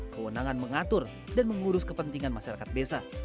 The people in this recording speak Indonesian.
kewenangan mengatur dan mengurus kepentingan masyarakat desa